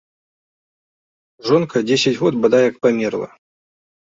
Жонка дзесяць год, бадай, як памерла.